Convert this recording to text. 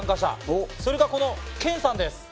それがこのケンさんです。